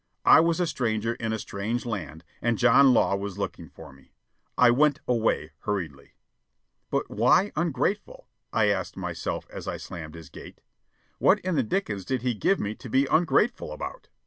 I was a stranger in a strange land, and John Law was looking for me. I went away hurriedly. "But why ungrateful?" I asked myself as I slammed his gate. "What in the dickens did he give me to be ungrateful about?"